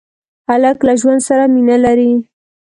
هلک له ژوند سره مینه لري.